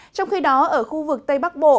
trong khi đó ở khu vực tây bắc bộ